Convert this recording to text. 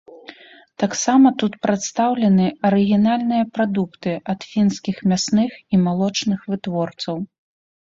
Таксама тут прадстаўлены арыгінальныя прадукты ад фінскіх мясных і малочных вытворцаў.